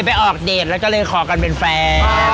ไม่ได้อวดขอเล่าหน่อย